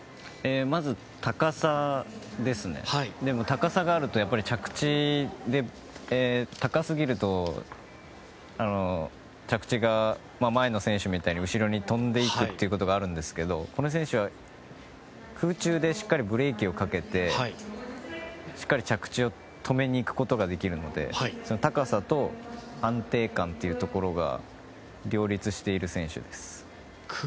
まず、高さなんですが高すぎると着地が前の選手みたいに後ろに跳んでいくということがあるんですけどこの選手は、空中でしっかりとブレーキをかけてしっかり着地を止めにいくことができるので高さと安定感というところが両立している選手です。